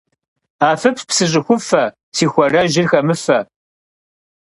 Афыпс, псы щӏыхуфэ, си хуарэжьыр хэмыфэ.